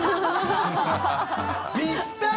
ぴったり！